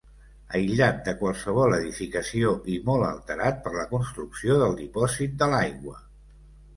Aïllat de qualsevol edificació i molt alterat per la construcció del dipòsit de l'aigua.